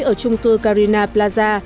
ở trung cư carina plaza